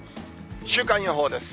週間予報です。